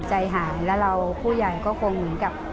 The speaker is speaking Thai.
ใจหายแล้วเราผู้ใหญ่ก็คงเหมือนกับ